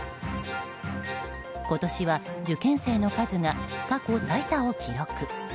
今年は、受験生の数が過去最多を記録。